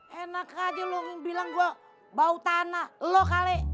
heh enak aja lo bilang gua bawa tanah lo kali